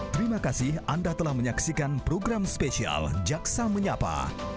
terima kasih anda telah menyaksikan program spesial jaksa menyapa